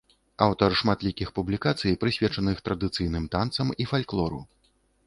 Аўтар шматлікіх публікацый, прысвечаных традыцыйным танцам і фальклору.